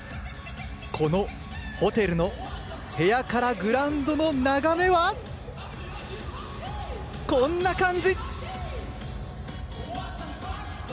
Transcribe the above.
このホテルからのグラウンドの眺めはこんな感じ。